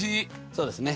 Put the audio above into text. そうですね。